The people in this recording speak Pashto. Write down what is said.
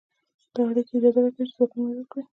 دا اړیکې اجازه ورکوي چې ځواکونه وده وکړي.